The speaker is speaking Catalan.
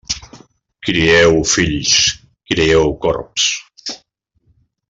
Crieu fills, crieu corbs.